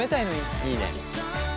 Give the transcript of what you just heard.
いいね。